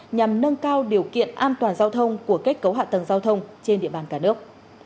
nhằm nâng cao điều kiện an toàn giao thông của kết cấu hạ tầng giao thông trên địa bàn cả nước